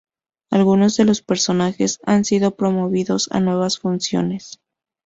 Algunos de los personajes han sido promovidos a nuevas funciones.